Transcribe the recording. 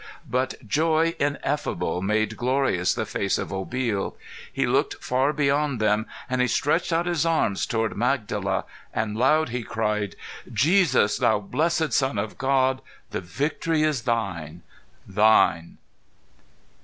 But joy ineffable made glorious the face of Obil. He looked far beyond them, and he stretched out his arms toward Magdala, and loud he cried, "Jesus, thou blessed Son of God, the victory is thine thine!"